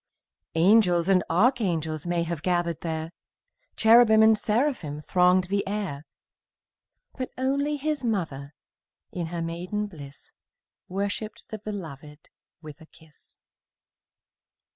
Angels and archangels May have gathered there, Cherubim and seraphim Thronged the air; But only His mother, In her maiden bliss, Worshipped the Beloved With a kiss.